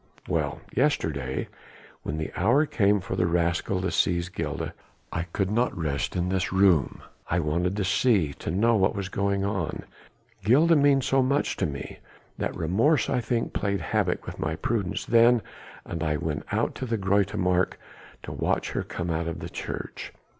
"Well! yesterday when the hour came for the rascal to seize Gilda, I could not rest in this room. I wanted to see, to know what was going on. Gilda means so much to me, that remorse I think played havoc with my prudence then and I went out into the Groote Markt to watch her come out of church.